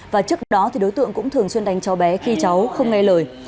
và trước đó đối tượng cũng thường xuyên đánh chó bé khi cháu không nghe lời